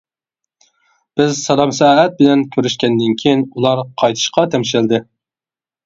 بىز سالام سائەت بىلەن كۆرۈشكەندىن كېيىن ئۇلار قايتىشقا تەمشەلدى.